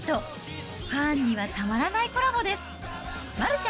ファンにはたまらないコラボです